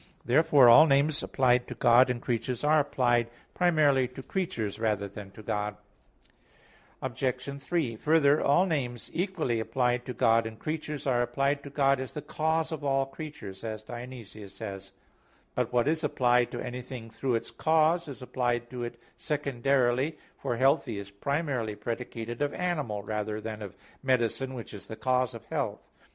Therefore all names applied to God and creatures are applied primarily to creatures rather than to God. Obj. 3: Further, all names equally applied to God and creatures, are applied to God as the cause of all creatures, as Dionysius says (De Mystica Theol.). But what is applied to anything through its cause, is applied to it secondarily, for "healthy" is primarily predicated of animal rather than of medicine, which is the cause of health.